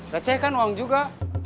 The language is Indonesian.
receh kan uang juga